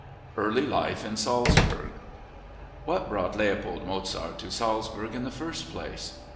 Early Life in Salzburg What brought Leopold Mozart to Salzburg in the first place?